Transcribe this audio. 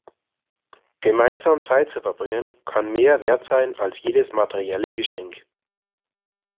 Gemeinsam Zeit zu verbringen, kann mehr wert sein als jedes materielle Geschenk.